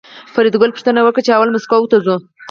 فریدګل پوښتنه وکړه چې اول مسکو ته ځو